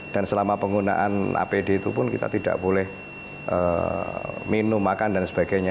dan selama penggunaan apd itu pun kita tidak boleh minum makan dan sebagainya